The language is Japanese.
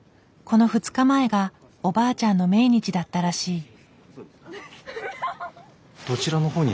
この２日前がおばあちゃんの命日だったらしい。